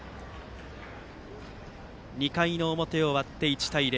２回の表終わって１対０。